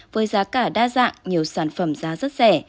với giá cả đa dạng nhiều sản phẩm giá rất rẻ